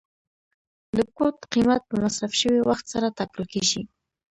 د کوټ قیمت په مصرف شوي وخت سره ټاکل کیږي.